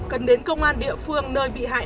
cần đến công an địa phương nơi bị hại